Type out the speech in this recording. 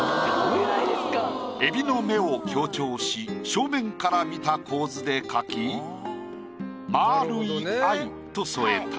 エビの目を強調し正面から見た構図で描き「まあるい愛」と添えた。